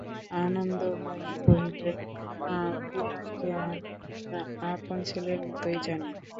আনন্দময়ী কহিলেন, মা, বিনয়কে আমি আমার আপন ছেলের মতোই জানি।